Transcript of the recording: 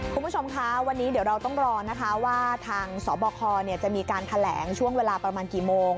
คุณผู้ชมคะวันนี้เดี๋ยวเราต้องรอนะคะว่าทางสบคจะมีการแถลงช่วงเวลาประมาณกี่โมง